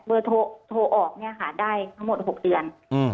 โทรออกเนี่ยค่ะได้ทั้งหมด๖เดือน